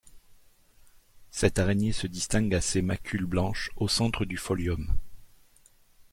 Cette araignée se distingue à ses macules blanches au centre du folium.